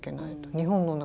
日本の女